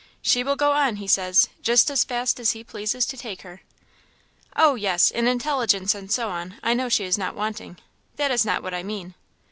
She will go on, he says, just as fast as he pleases to take her." "Oh, yes, in intelligence and so on, I know she is not wanting; that is not what I mean."